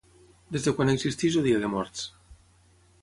Des de quan existeix el Dia de Morts?